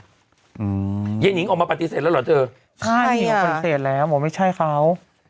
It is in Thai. อืมเย็นหญิงออกมาปฏิเสธแล้วหรอเธอใช่อ่ะปฏิเสธแล้วหมอไม่ใช่เขา